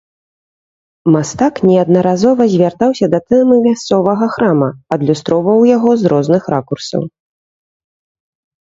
Мастак неаднаразова звяртаўся да тэмы мясцовага храма, адлюстроўваў яго з розных ракурсаў.